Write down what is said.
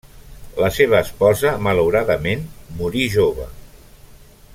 La seva esposa, malauradament, morí jove.